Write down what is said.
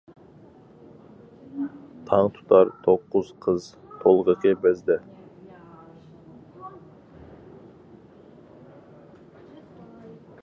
تاڭ تۇتار توققۇز قىز تولغىقى بىزدە.